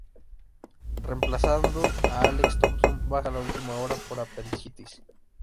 Reemplazando a Alex Thomson, baja de última hora por apendicitis.